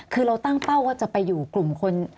คือเราตั้งเป้าว่าจะไปอยู่กลุ่มคน